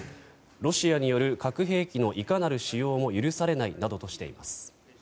ロシアによる核兵器のいかなる使用も許されないなどとしています。